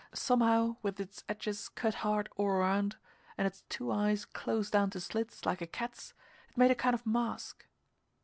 Somehow, with its edges cut hard all around and its two eyes closed down to slits, like a cat's, it made a kind of mask.